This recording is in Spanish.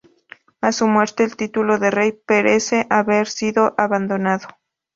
A su muerte, el título de rey parece haber sido abandonado.